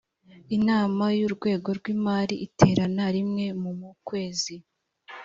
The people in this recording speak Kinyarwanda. inama y’urwego rw imari iterana rimwe mumu kwezi